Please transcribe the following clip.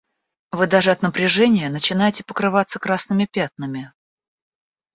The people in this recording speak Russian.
Вы даже от напряжения начинаете покрываться красными пятнами.